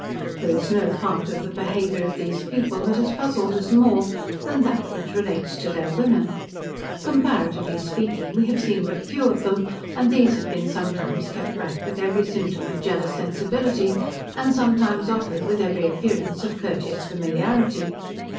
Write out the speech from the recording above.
There is no part of the behaviour of these people, that has puzzled us more, than that which relates to their women. Comparatively speaking we have seen but few of them, and those have been sometimes kept back with every symptom of jealous sensibility; and sometimes offered with every appearance of courteous familiarity.